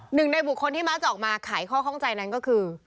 หนึ่งในบุคคลที่มักจะออกมาไขข้อข้องใจนั้นก็คือ